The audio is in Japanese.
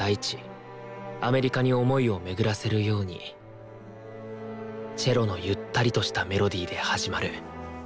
アメリカに思いをめぐらせるようにチェロのゆったりとしたメロディーで始まる。